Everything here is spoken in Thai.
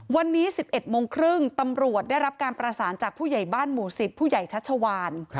วันนี้๑๑โมงครึ่งตำรวจได้รับการประสานจากผู้ใหญ่บ้านหมู่๑๐ผู้ใหญ่ชัชวาน